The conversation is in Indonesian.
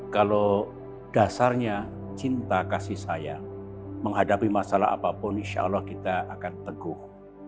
kalau dasarnya cinta kasih sayang menghadapi masalah apapun insya allah kita akan teguh